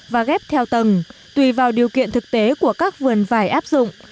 và ghép theo tầng tùy vào điều kiện thực tế của các vườn vải áp dụng